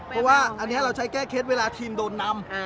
เพราะว่าอันนี้เราใช้แก้เคล็ดเวลาทีมโดนนำ